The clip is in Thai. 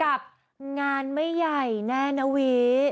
กับงานไม่ใหญ่แน่นะวิ